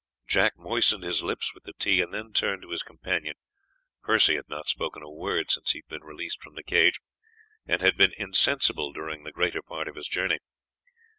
Jack moistened his lips with the tea, and then turned to his companion. Percy had not spoken a word since he had been released from the cage, and had been insensible during the greater part of his journey.